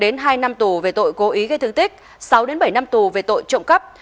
đến hai năm tù về tội cố ý gây thương tích sáu bảy năm tù về tội trộm cắp